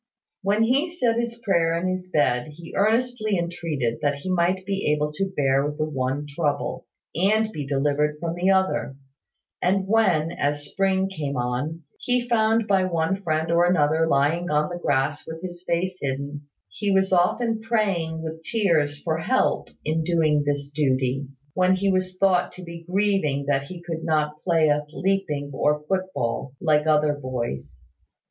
When he said his prayer in his bed, he earnestly entreated that he might be able to bear the one trouble, and be delivered from the other; and when, as the spring came on, he was found by one friend or another lying on the grass with his face hidden, he was often praying with tears for help in doing this duty, when he was thought to be grieving that he could not play at leaping or foot ball, like other boys.